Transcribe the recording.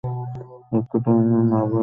উঠতে পারো নি না ভয় পেয়েছ?